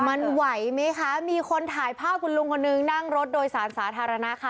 มันไหวไหมคะมีคนถ่ายภาพคุณลุงคนนึงนั่งรถโดยสารสาธารณะค่ะ